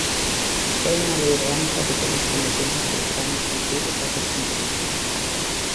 É unha lei orgánica que todos prometemos ou xuramos cumprir e facer cumprir.